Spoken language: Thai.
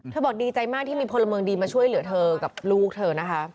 บอกดีใจมากที่มีพลเมืองดีมาช่วยเหลือเธอกับลูกเธอนะคะ